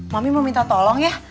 mami mau minta tolong ya